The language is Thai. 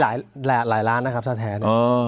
หลายหลายหลานนะครับทะแทน